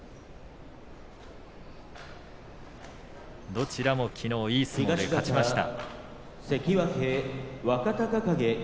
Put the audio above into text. どちらもきのういい相撲で勝ちました。